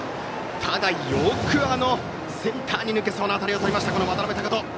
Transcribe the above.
ただ、よくセンターに抜けそうなあの当たりをとりました渡邊升翔。